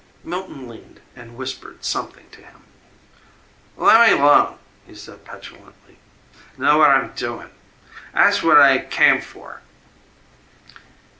Milton leaned and whispered something to him. "Lemme 'lone," he said petulantly; "know what I'm doin'. 'Ats what they came for."